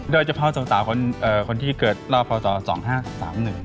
โดยเฉพาะสาวสาวคนที่เกิดรอบสาวสาว๒๕๓๑